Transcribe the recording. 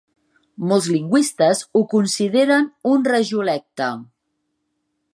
Molts lingüistes ho consideren un regiolecte.